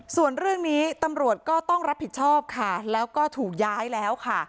ส่วนเรื่องนี้ตำรวจก็ต้องรับผิดชอบค่ะแล้วก็ถูกย้ายแล้วค่ะ